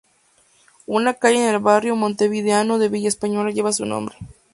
Una calle en el barrio montevideano de Villa Española lleva su nombre.